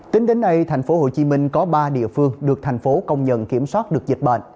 tính đến nay tp hcm có ba địa phương được thành phố công nhận kiểm soát được dịch bệnh